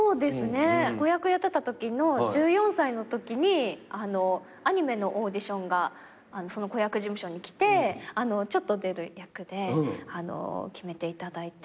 子役やってたときの１４歳のときにアニメのオーディションがその子役事務所にきてちょっと出る役で決めていただいて。